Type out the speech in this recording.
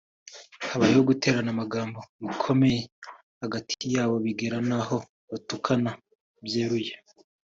habayeho guterana amagambo bikomeye hagati yabo bigera n’aho batukana byeruye